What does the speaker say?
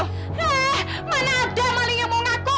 nah mana ada maling yang mau ngaku